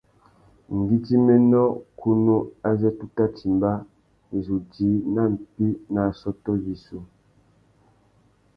Ngüidjiménô kunú azê tu tà timba, i zu djï nà mpí nà assôtô yissú.